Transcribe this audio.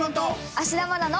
芦田愛菜の。